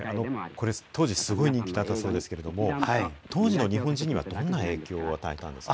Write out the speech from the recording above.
これ、当時すごい人気だったそうですけれども、当時の日本人にはどんな影響を与えたんですか？